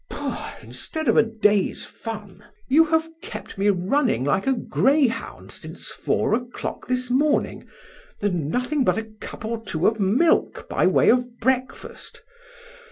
Pooh! instead of a day's fun, you have kept me running like a greyhound since four o'clock this morning, and nothing but a cup or two of milk by way of breakfast.